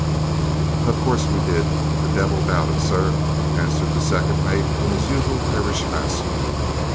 "Of course we did, the divvil doubt it, sir," answered the second mate in his usual Irish fashion.